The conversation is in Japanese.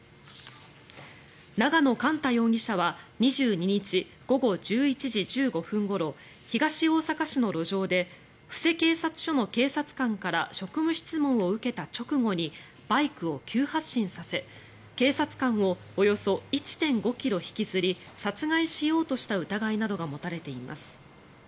永野莞太容疑者は２２日午後１１時１５分ごろ東大阪市の路上で布施警察署の警察官から職務質問を受けた直後にバイクを急発進させ警察官をおよそ１．５ｋｍ引きずり殺害しようと疑いなどが持たれています。